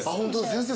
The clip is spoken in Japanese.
先生